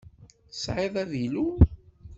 Tesɛiḍ avilu?